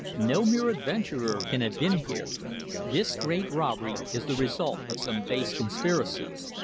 "No mere adventurer can have been here; this great robbery is the result of some base conspiracy.